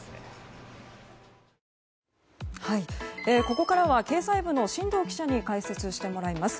ここからは経済部の進藤記者に解説してもらいます。